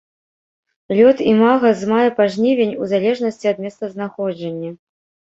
Лёт імага з мая па жнівень у залежнасці ад месцазнаходжання.